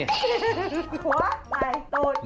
หัวใบตูด